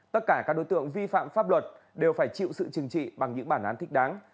tất cả các đối tượng vi phạm pháp luật đều phải chịu sự chừng trị bằng những bản án thích đáng